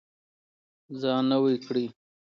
ځان نوی کړئ.